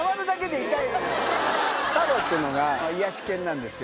タローっていうのが癒やし犬なんですよ